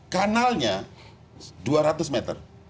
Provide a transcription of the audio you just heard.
kanalnya dua ratus meter